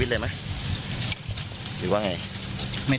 พี่บังเบิกว่ามองอะไร